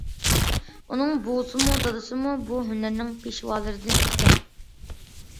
ئۇنىڭ بوۋىسىمۇ، دادىسىمۇ بۇ ھۈنەرنىڭ پېشۋالىرىدىن ئىكەن.